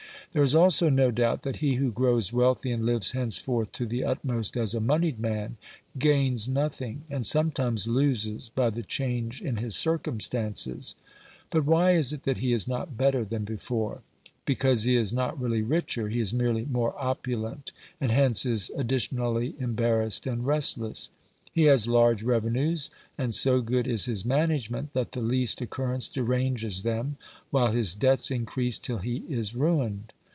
There is also no doubt that he who grows wealthy and lives hence forth to the utmost as a monied man, gains nothing, and sometimes loses by the change in his circumstances. But OBERMANN 113 why is it that he is not better than before ? Because he is not really richer, he is merely more opulent, and hence is additionally embarrassed and restless. He has large revenues, and so good is his management that the least occurrence deranges them, while his debts increase till he is ruined.